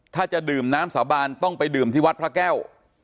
ถ้าจะดื่มน้ำสาบานต้องไปดื่มที่วัดพระแก้ว